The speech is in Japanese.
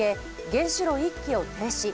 １原子炉１基を停止。